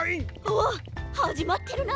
おっはじまってるな。